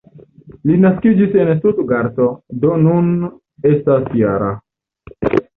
Li naskiĝis en Stutgarto, do nun estas -jara.